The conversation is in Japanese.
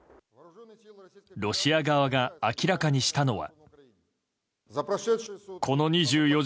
ロシア側が明らかにしたのは。